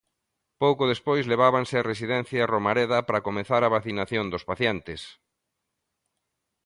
Pouco despois levábanse a Residencia Romareda para comezar a vacinación dos pacientes.